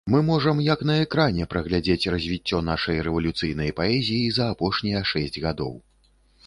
Мы можам, як на экране, прагледзець развіццё нашай рэвалюцыйнай паэзіі за апошнія шэсць гадоў.